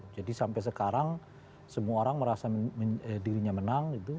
jadi sampai sekarang semua orang merasa dirinya menang gitu